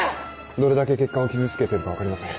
どれだけ血管を傷つけてるか分かりません。